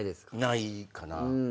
ないかな。